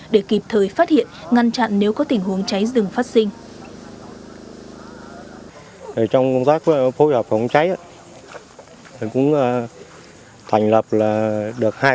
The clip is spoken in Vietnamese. để kịp thời phát hiện ngăn chặn nếu có tình huống cháy rừng phát sinh